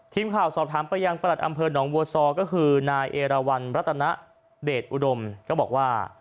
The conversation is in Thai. ทีมข่าวสอบถามไปยังประหลัดอำเภอหนองบัวซอก็คือนายเอราวันรัตนเดชอุดมก็บอกว่า